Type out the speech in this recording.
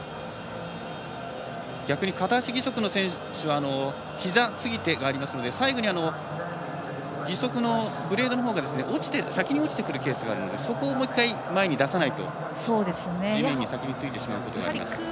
逆に片足義足の選手はひざ継手がありますので最後に義足のブレードのほうが先に落ちてくるケースがあるので、そこをもう１回前に出さないと地面に先についてしまうことがあります。